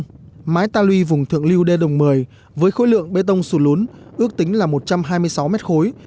mái ta luy vùng thượng lưu đê đồng một mươi với khối lượng bê tông sụt lún ước tính là một trăm hai mươi sáu mét khối